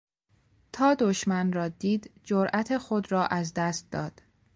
تا دشمن را دید جرات خود را از دست داد.